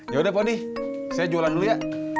yaudah pak odi saya jualan dulu ya